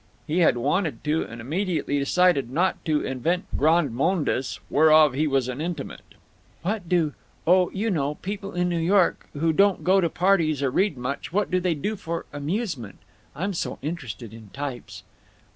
"He had wanted to, and immediately decided not to, invent grandes mondes whereof he was an intimate. "What do—oh, you know—people in New York who don't go to parties or read much—what do they do for amusement? I'm so interested in types."